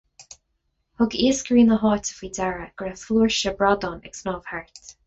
Thug iascairí na háite faoi deara go raibh flúirse bradán ag snámh thart